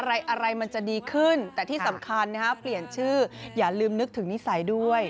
อะไรอะไรมันจะดีขึ้นแต่ที่สำคัญนะฮะเปลี่ยนชื่ออย่าลืมนึกถึงนิสัยด้วย